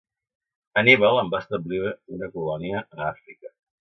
Anníbal en va establir una colònia a Àfrica.